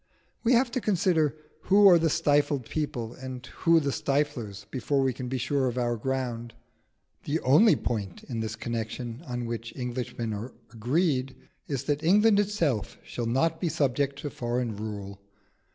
We have to consider who are the stifled people and who the stiflers before we can be sure of our ground. The only point in this connection on which Englishmen are agreed is, that England itself shall not be subject to foreign rule.